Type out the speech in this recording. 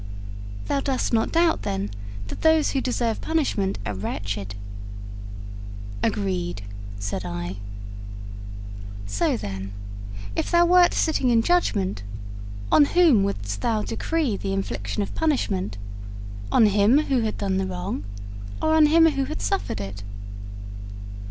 'Thou dost not doubt, then, that those who deserve punishment are wretched?' 'Agreed,' said I. 'So, then, if thou wert sitting in judgment, on whom wouldst thou decree the infliction of punishment on him who had done the wrong, or on him who had suffered it?'